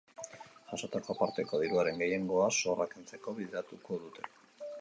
Jasotako aparteko diruaren gehiengoa zorra kentzeko bideratuko dute.